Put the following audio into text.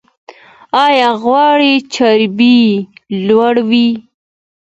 ایا غوړي چربي لوړوي؟